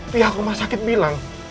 pihak rumah sakit bilang